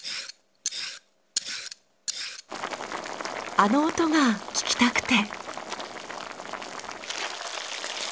あの音が聞きたくて。